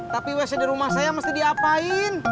tapi wc di rumah saya mesti diapain